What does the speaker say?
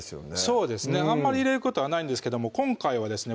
そうですねあんまり入れることはないんですけども今回はですね